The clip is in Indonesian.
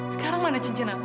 sekarang mana cincin aku